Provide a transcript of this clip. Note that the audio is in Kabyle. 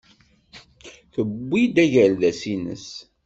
Tewwi-d agerdas-nnes.